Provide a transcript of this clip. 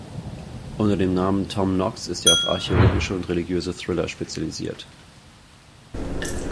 Unter dem Namen "Tom Knox" ist er auf archäologische und religiöse Thriller spezialisiert.